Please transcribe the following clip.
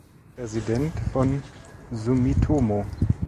Präsident von Sumitomo.